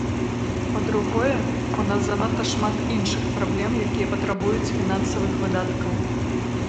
Па-другое, у нас занадта шмат іншых праблем, якія патрабуюць фінансавых выдаткаў.